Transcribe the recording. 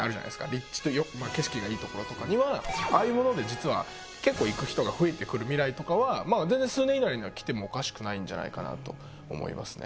立地景色がいいところとかにはああいうもので実は結構行く人が増えてくる未来とかは全然数年以内には来てもおかしくないんじゃないかなと思いますね